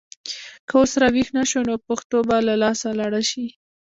که اوس راویښ نه شو نو پښتو به له لاسه لاړه شي.